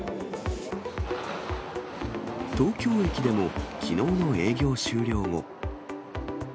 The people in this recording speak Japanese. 東京駅でもきのうの営業終了後。